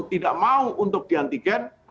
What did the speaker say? tidak mau untuk di antigen